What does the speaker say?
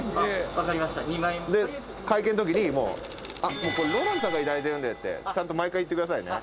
会計のときに「これＲＯＬＡＮＤさんから頂いてるんで」ってちゃんと毎回言ってくださいね。